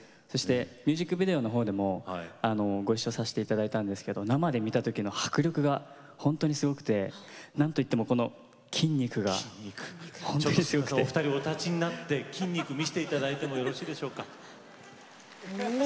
ミュージックビデオの方でもごいっしょさせていただいたんですけれども生で見た時の迫力が本当にすごくてなんといってもお二人お立ちになって見せていただいてもよろしいですか。